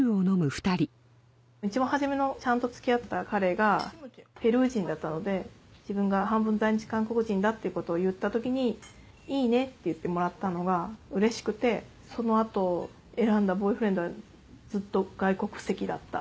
一番初めのちゃんと付き合った彼がペルー人だったので自分が半分在日韓国人だっていうことを言った時にいいねって言ってもらったのがうれしくてその後選んだボーイフレンドはずっと外国籍だった。